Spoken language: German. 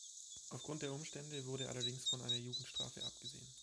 Auf Grund der Umstände wurde allerdings von einer Jugendstrafe abgesehen.